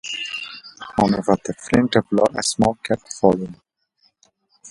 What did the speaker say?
However, the film developed a small cult following.